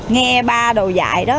nghe ba đồ dạy đó